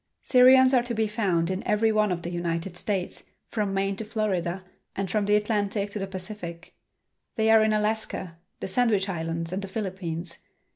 Syrians are to be found in every one of the United States, from Maine to Florida, and from the Atlantic to the Pacific. They are in Alaska, the Sandwich Islands and the Philippines.